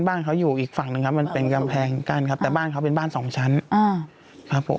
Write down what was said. บ้านเขาอยู่อีกฝั่งหนึ่งครับมันเป็นกำแพงกั้นครับแต่บ้านเขาเป็นบ้านสองชั้นอ่าครับผม